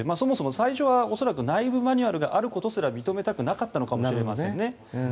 恐らく内部マニュアルを持っていることすら認めたくなかったのかもしれませんね。